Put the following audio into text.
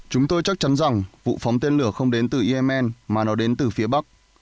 chúng tôi chắc chắn rằng vụ phóng tên lửa không đến từ yemen mà nó đến từ phía bắc